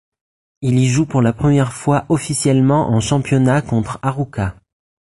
Il y joue pour la première fois officiellement en championnat contre Arouca.